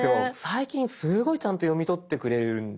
最近すごいちゃんと読み取ってくれるんで。